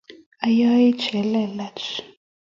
ayae chelelach